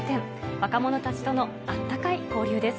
若者たちとのあったかい交流です。